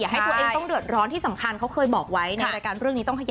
ให้ตัวเองต้องเดือดร้อนที่สำคัญเขาเคยบอกไว้ในรายการเรื่องนี้ต้องขยาย